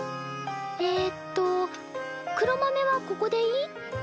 えっと黒豆はここでいい？